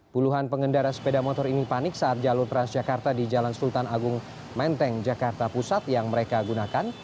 puluhan pengendara sepeda motor ini panik saat jalur transjakarta di jalan sultan agung menteng jakarta pusat yang mereka gunakan